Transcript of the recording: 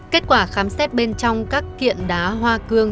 kết quả khám xét bên trong các kiện đá hoa cương